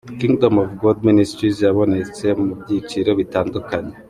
Kingdom Of God Ministries yabonetse mu byiciro bitandukanye.